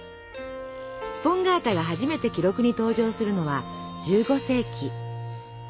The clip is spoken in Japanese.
スポンガータが初めて記録に登場するのは１５世紀。